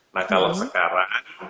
nah kalau sekarang